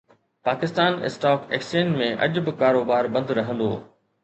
Pakistan stock exchange ۾ اڄ به ڪاروبار بند رهندو